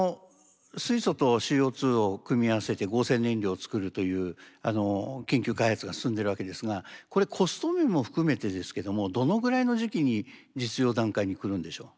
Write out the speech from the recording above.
水素とＣＯを組み合わせて合成燃料を作るという研究開発が進んでるわけですがこれコスト面も含めてですけどもどのぐらいの時期に実用段階にくるんでしょう？